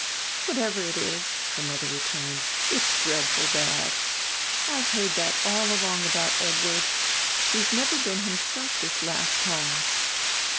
"Whatever it is," her mother returned, "it's dreadful bad. I've felt that all along about Edward; he's never been himself this last time."